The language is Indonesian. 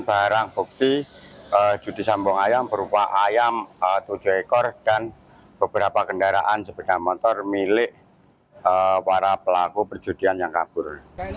barang bukti judi sambong ayam berupa ayam tujuh ekor dan beberapa kendaraan sepeda motor milik para pelaku perjudian yang kabur